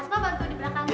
asma bantu di belakangnya ya